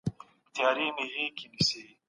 خپل کور کي غذأ په ښه تېلو کي پخوئ.